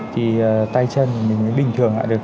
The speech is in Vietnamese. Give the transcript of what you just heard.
thì tay chân mình mới bình thường lại được